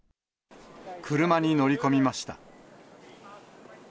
車に乗り込みました。